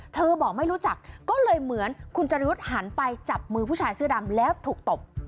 บอกไม่รู้จักก็เลยเหมือนคุณจรยุทธ์หันไปจับมือผู้ชายเสื้อดำแล้วถูกตบ